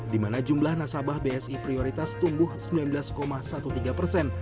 di mana jumlah nasabah bsi prioritas tumbuh sembilan belas tiga belas persen